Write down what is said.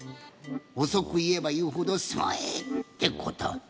おそくいえばいうほどすごいってこと。